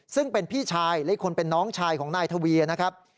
ซึ่งเป็นพี่ชายและอีกคนเป็นน้องชายของนายทวีนะครับ